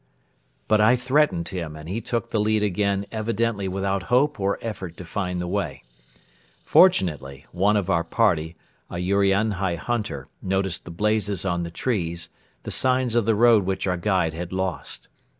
But I threatened him and he took the lead again evidently without hope or effort to find the way. Fortunately, one of our party, an Urianhai hunter, noticed the blazes on the trees, the signs of the road which our guide had lost.